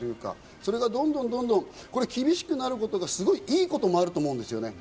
それがどんどん厳しくなることがいいこともあると思うんですね。